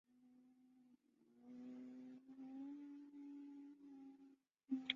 主要研究领域是中国哲学史和文学史。